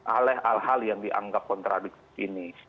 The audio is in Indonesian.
oleh hal hal yang dianggap kontradiktif ini